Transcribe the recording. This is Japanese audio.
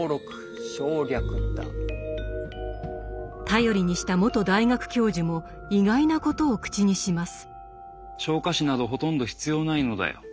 頼りにした元大学教授も意外なことを口にします。